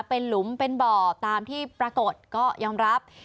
เป็นหลุมเป็นบ่อตามที่ปรากฏก็ยอมรับ